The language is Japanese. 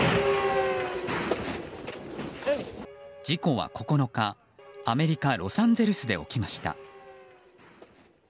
事故は９日アメリカ・ロサンゼルスで起きました。